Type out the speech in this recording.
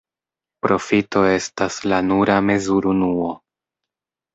Profito estas la nura mezurunuo.